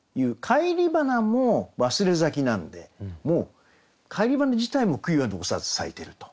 返り花も忘れ咲きなんでもう返り花自体も悔いは残さず咲いていると。